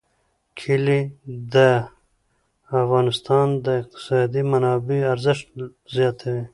کلي د افغانستان د اقتصادي منابعو ارزښت زیاتوي.